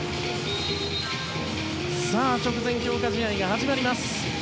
さあ、直前強化試合が始まります。